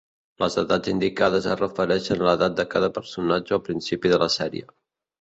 Les edats indicades es refereixen a l'edat de cada personatge al principi de la sèrie.